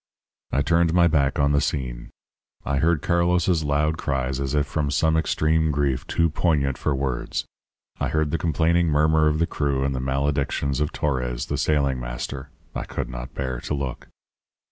"I turned my back on the scene. I heard Carlos's loud cries as if from some extreme grief too poignant for words. I heard the complaining murmur of the crew and the maledictions of Torres, the sailing master I could not bear to look.